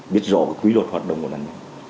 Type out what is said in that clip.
biết rõ quy luật hoạt động của nạn nhân